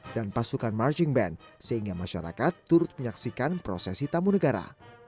dan pasukan marching band sehingga masyarakat turut menyaksikan prosesi tamu negara